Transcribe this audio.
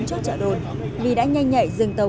chốt trợ đồn vì đã nhanh nhạy dừng tàu